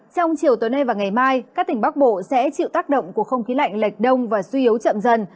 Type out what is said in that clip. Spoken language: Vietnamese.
trong chiều tối nay và ngày mai các tỉnh bắc bộ sẽ chịu tác động của không khí lạnh lệch đông và suy yếu chậm dần